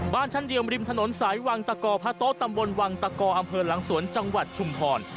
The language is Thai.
บ้านชั้นเดียวริมถนนสายวังตะกอพระโต๊ะตำบลวังตะกออำเภอหลังสวนจังหวัดชุมพร